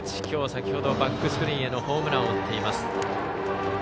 きょう、先ほどバックスクリーンへのホームランを打っています。